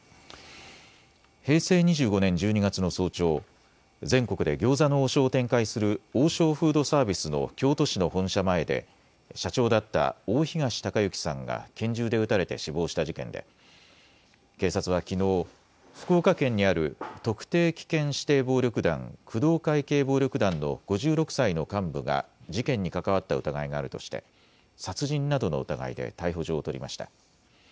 平成２５年１２月の早朝、全国で餃子の王将を展開する王将フードサービスの京都市の本社前で社長だった大東隆行さんが拳銃で撃たれて死亡した事件で警察はきのう、福岡県にある特定危険指定暴力団工藤会系暴力団の５６歳の幹部が事件に関わった疑いがあるとして殺人などの疑いで逮捕状を取りました。